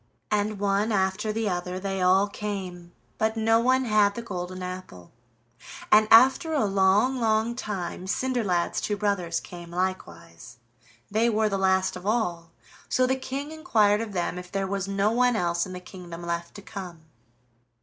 And one after the other they all came, but no one had the golden apple, and after a long, long time Cinderlad's two brothers came likewise. They were the last of all, so the King inquired of them if there was no one else in the kingdom left to come.